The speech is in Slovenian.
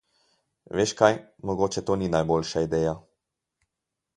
Veš kaj, mogoče to ni najboljša ideja.